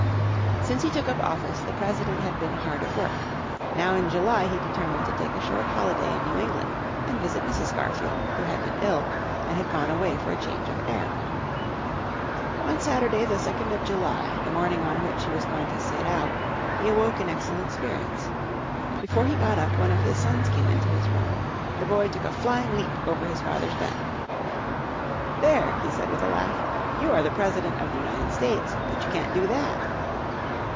Since he took up office the President had been hard at work. Now in July he determined to take a short holiday in New England, and visit Mrs. Garfield, who had been ill, and had gone away for a change of air. On Saturday, the 2nd of July, the morning on which he was going to set out, he awoke in excellent spirits. Before he got up one of his sons came into his room. The boy took a flying leap over his father's bed. "There," he said with a laugh, "you are the President of the United States, but you can't do that."